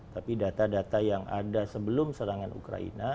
tapi data data yang ada sebelum serangan ukraina